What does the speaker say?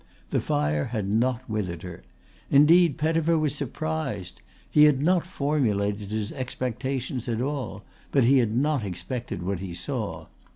The fire had not withered her. Indeed Pettifer was surprised. He had not formulated his expectations at all, but he had not expected what he saw.